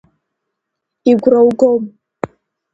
Игәра угом.